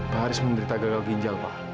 pak haris menderita gagal ginjal pak